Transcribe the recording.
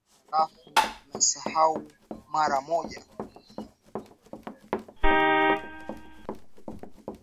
Ninachemsha maji, halafu nasahau mara moja.